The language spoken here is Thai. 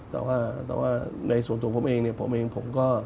แต่ว่าในส่วนตัวผมเองผมเองผมก็